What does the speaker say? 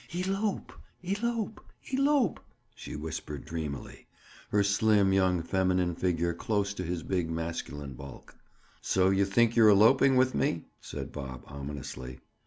"Elope! elope! elope!" she whispered dreamily, her slim, young feminine figure close to his big masculine bulk. "So you think you're eloping with me?" said Bob ominously.